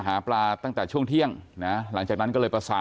ก็คือมาดูแจ้งมูลที่กันไปครับ